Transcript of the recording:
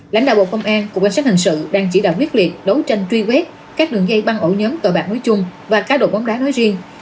lãnh đạo bộ công an cục bản sát hình sự đang chỉ đạo quyết liệt đấu tranh truy quét các đường dây băng ổ nhóm tội bạc nói chung và cá độ bóng đá nói riêng